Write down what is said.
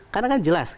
karena kan jelas